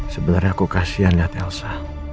sebenernya aku kasihan liat elsa